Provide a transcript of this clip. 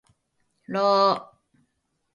札苅駅